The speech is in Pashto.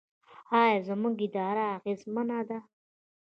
آیا زموږ اداره اغیزمنه ده؟